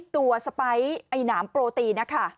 ตัวสไปซ์น้ำโปรตีน